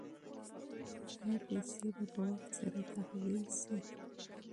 ایا پیسې به په وخت سره تحویل شي؟